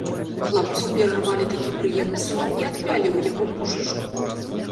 Хлапцу перарвалі такі прыемны сон і адпялі ў яго пушачку.